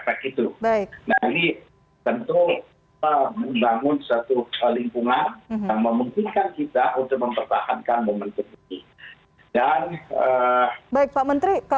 penggunaan produk dalam negeri ya